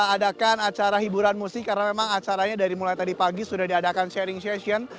adakan acara hiburan musik karena memang acaranya dari mulai tadi pagi sudah diadakan sharing session